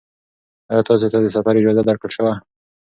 ایا تاسې ته د سفر اجازه درکړل شوه؟